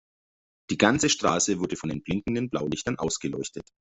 Die ganze Straße wurde von den blinkenden Blaulichtern ausgeleuchtet.